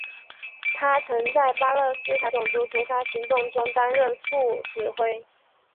他曾在巴勒斯坦种族屠杀行动中担任副指挥。